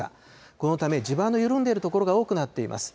このため地盤の緩んでいる所が多くなっています。